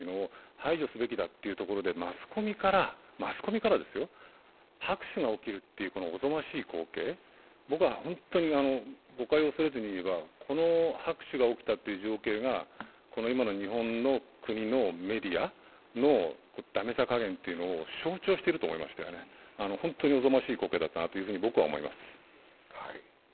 そういうときに、うるさい人や場の空気を乱す人を排除すべきだというところでマスコミから拍手が起きるというこのおぞましい光景、僕はホントに誤解を恐れずに言えばこの拍手が起きたという情景がこの今の日本の国のメディアの駄目さかげんを象徴してると思いましたよね、本当におぞましい光景だったと僕は思います。